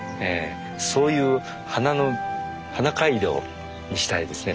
そういう花の花街道にしたいですね